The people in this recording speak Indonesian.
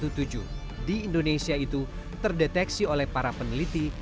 dua varian virus b satu satu tujuh di indonesia itu terdeteksi oleh para peneliti